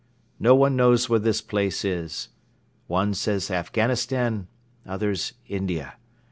No one knows where this place is. One says Afghanistan, others India.